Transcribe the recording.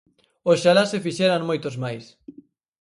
Oxalá se fixeran moitos máis.